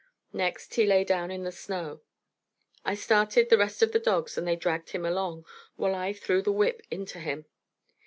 Next he lay down in the snow. I started the rest of the dogs, and they dragged him along, while I threw the whip into him.